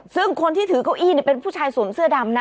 ซึ่งคนที่ถือเก้าอี้เป็นผู้ชายสวมเสื้อดำนะ